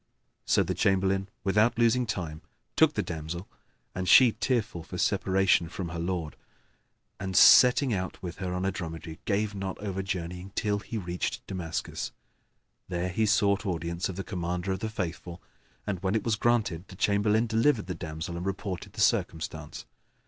So the Chamberlain, without losing time, took the damsel (and she tearful for separation from her lord) and, setting out with her on a dromedary, gave not over journeying till he reached Damascus. There he sought audience of the Commander of the Faithful and, when it was granted, the Chamberlain delivered the damsel and reported the circumstance.